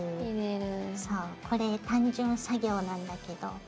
そうこれ単純作業なんだけど。